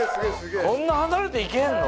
こんな離れていけんの？